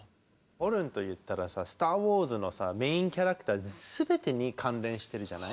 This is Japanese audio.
ホルンといったらさ「スター・ウォーズ」のメインキャラクター全てに関連してるじゃない？